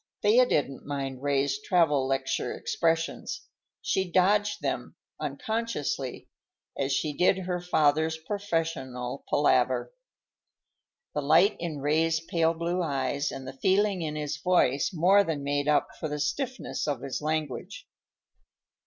Thea didn't mind Ray's travel lecture expressions. She dodged them, unconsciously, as she did her father's professional palaver. The light in Ray's pale blue eyes and the feeling in his voice more than made up for the stiffness of his language.